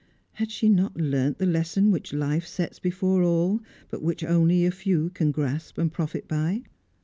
Had she not learnt the lesson which life sets before all, but which only a few can grasp and profit by?